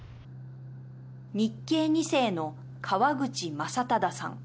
日系２世の川口正洋さん。